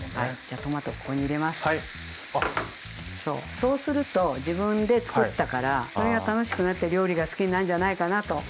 そうすると自分でつくったからそれが楽しくなって料理が好きになるんじゃないかなと。